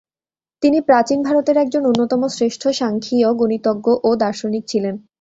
তিনি প্রাচীন ভারতের একজন অন্যতম শ্রেষ্ঠ সাংখ্যিয় গণিতজ্ঞ ও দার্শনিক ছিলেন।